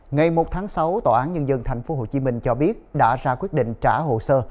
ngày một tháng sáu tòa án nhân dân tp hcm cho biết đã ra quyết định trả hồ sơ